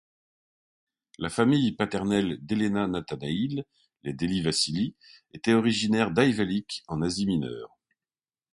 La famille paternelle d'Élena Nathanaíl, les Delivassili, était originaire d'Ayvalık en Asie mineure.